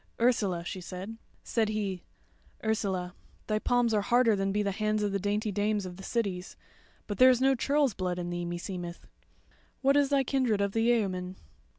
"Ursula," she said. Said he: "Ursula, thy palms are harder than be the hands of the dainty dames of the cities, but there is no churls' blood in thee meseemeth. What is thy kindred of the yeoman?"